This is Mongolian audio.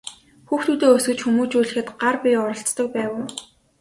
Хүүхдүүдээ өсгөж хүмүүжүүлэхэд гар бие оролцдог байв уу?